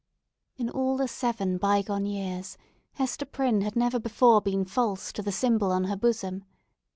In all the seven bygone years, Hester Prynne had never before been false to the symbol on her bosom.